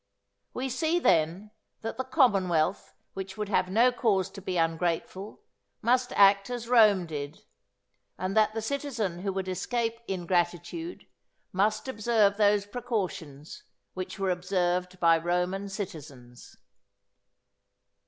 We see, then, that the commonwealth which would have no cause to be ungrateful, must act as Rome did; and that the citizen who would escape ingratitude, must observe those precautions which were observed by Roman citizens.